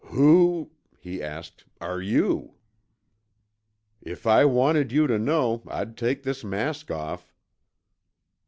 "Who," he asked, "are you?" "If I wanted you to know, I'd take this mask off."